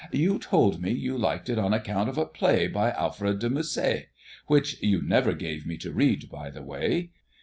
you told me you liked it on account of a play by Alfred de Musset? which you never gave me to read, by the way.